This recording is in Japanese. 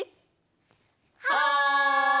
はい！